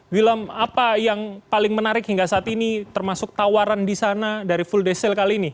wilam apa yang paling menarik hingga saat ini termasuk tawaran di sana dari full day sale kali ini